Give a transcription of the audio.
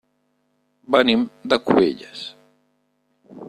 Venim de Cubelles.